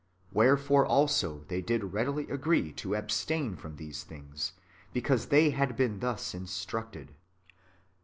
Wherefore also they did readily agree to abstain from these things, because they had been thus in structed.